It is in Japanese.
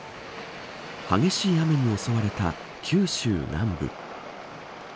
激しい雨に襲われた九州南部。